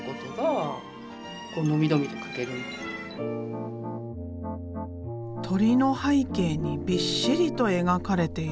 鳥の背景にびっしりと描かれているのは？